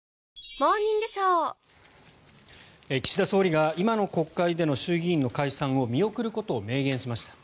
岸田総理が今の国会での衆議院の解散を見送ることを明言しました。